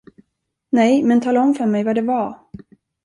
Nej, men tala om för mig, vad det var.